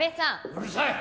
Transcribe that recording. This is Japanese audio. うるさい！